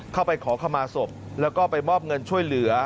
เข้าไปขอขมาศพแล้วก็ไปมอบเงินช่วยเหลือ